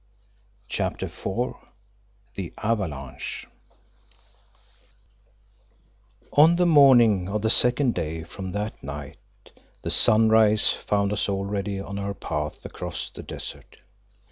CHAPTER IV THE AVALANCHE On the morning of the second day from that night the sunrise found us already on our path across the desert.